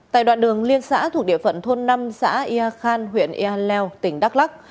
tại đoạn đường liên xã thuộc địa phận thôn năm xã ia khan huyện yà leo tỉnh đắk lắc